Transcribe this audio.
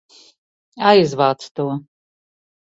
Aizvāc to!